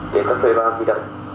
để có thuê bao di động